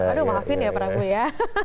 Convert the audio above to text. aduh maafin ya prabu ya